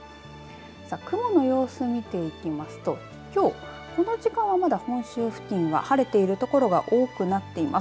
さあ、雲の様子見ていきますときょうこの時間はまだ本州付近は晴れている所が多くなっています。